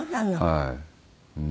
はい。